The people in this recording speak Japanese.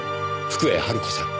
福栄晴子さん。